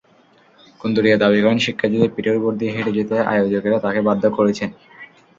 কুন্দরিয়া দাবি করেন, শিক্ষার্থীদের পিঠের ওপর দিয়ে হেঁটে যেতে আয়োজকেরা তাঁকে বাধ্য করেছেন।